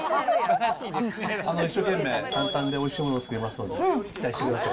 一生懸命簡単でおいしいものを作りますので、期待してください。